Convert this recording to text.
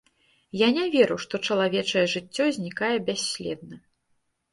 Я не веру, што чалавечае жыццё знікае бясследна.